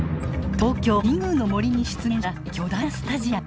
東京神宮の杜に出現した巨大なスタジアム。